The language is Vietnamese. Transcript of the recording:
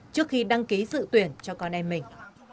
trước khi đăng ký dự tuyển cho con em mình